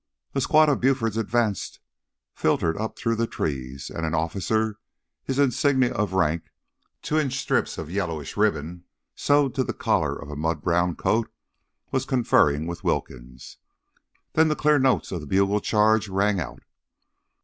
A squad of Buford's advance filtered up through the trees, and an officer, his insignia of rank two inch strips of yellowish ribbon sewed to the collar of a mud brown coat, was conferring with Wilkins. Then the clear notes of the bugle charge rang out.